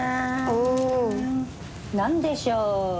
おお。何でしょう？